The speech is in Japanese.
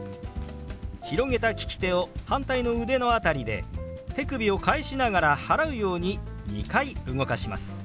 広げた利き手を反対の腕の辺りで手首を返しながら払うように２回動かします。